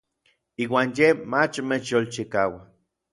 Iuan yej ma mechyolchikaua.